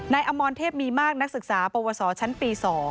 อมรเทพมีมากนักศึกษาปวสชั้นปี๒